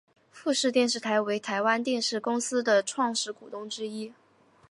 富士电视台为台湾电视公司的创始股东之一。